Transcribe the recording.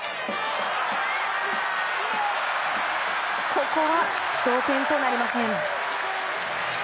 ここは同点となりません。